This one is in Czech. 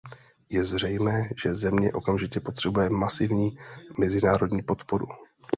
Je zřejmé, že země okamžitě potřebuje masivní mezinárodní podporu.